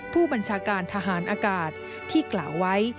ผู้บัญชาการทหารอากาศที่กล่าวไว้